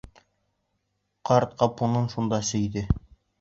Ҡарт гарпунын шунда сөйҙө.